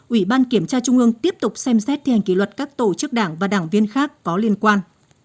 ủy ban kiểm tra trung ương tiếp tục xem xét thi hành kỷ luật các tổ chức đảng và đảng viên khác có liên quan